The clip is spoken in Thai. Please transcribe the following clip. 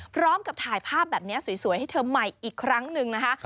พร้อมกับถ่ายภาพแบบนี้สวยให้เธอใหม่อีกครั้งหนึ่งนะคะ